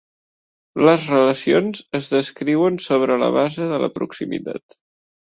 Les relacions es descriuen sobre la base de la proximitat.